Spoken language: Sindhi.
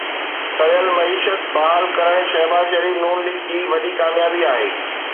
سڙيل معيشت بحال ڪرڻ شهباز شريف ن ليگ جي وڏي ڪاميابي آهي